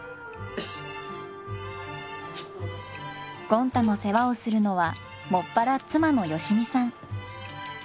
ゴン太の世話をするのは専ら妻の良美さん。